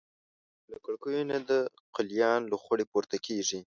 له کړکیو نه یې د قلیان لوخړې پورته کېږي.